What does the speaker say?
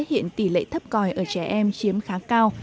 hiện tỷ lệ thấp còi ở trẻ em chiếm khá cao